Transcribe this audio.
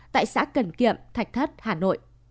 tại xã cần kiệm thạch thất hà nội